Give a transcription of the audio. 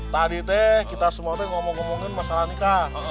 tadi teh kita semua ngomong ngomongin masalah nikah